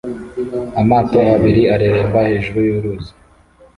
amato abiri areremba hejuru y'uruzi